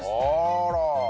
あら。